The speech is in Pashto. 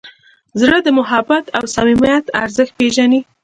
زړه د محبت او صمیمیت ارزښت پېژني.